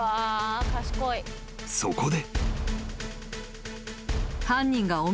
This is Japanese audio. ［そこで］